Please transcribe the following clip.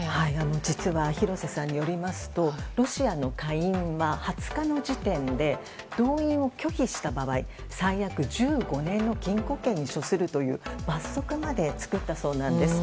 実は、廣瀬さんによりますとロシアの下院は２０日の時点で動員を拒否した場合最悪１５年の禁固刑に処するという罰則まで作ったそうなんです。